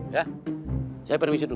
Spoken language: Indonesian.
ya saya permisi dulu